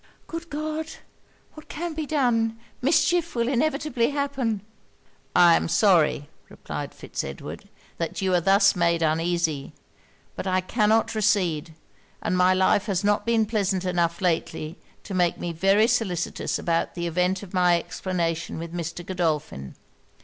'Good God! what can be done? Mischief will inevitably happen!' 'I am sorry,' replied Fitz Edward, 'that you are thus made uneasy. But I cannot recede; and my life has not been pleasant enough lately to make me very solicitous about the event of my explanation with Mr. Godolphin.